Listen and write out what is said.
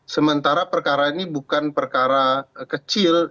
sementara perkara ini bukan perkara kecil